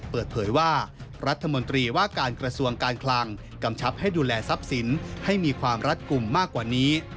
เปิดเผยว่ารัฐมนตรีว่าการกระทรวงการคลังกำชับให้ดูแลทรัพย์สินให้มีความรัดกลุ่มมากกว่านี้